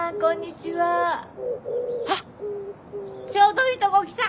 ちょうどいいとこ来た。